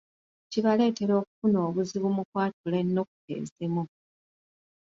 Kibaleetera okufuna obuzibu mu kwatula ennukuta ezimu.